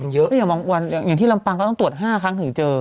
อย่างที่ลำปังก็ต้องตรวจ๕ครั้งถึงเจอ